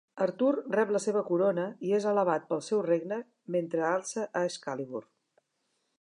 Artur rep la seva corona i és alabat pel seu regne mentre alça a Excalibur.